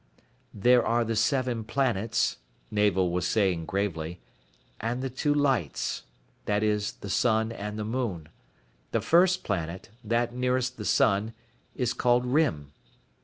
"There are the seven planets," Navel was saying gravely, "and the two lights that is, the sun and the moon. The first planet, that nearest the sun, is called Rym.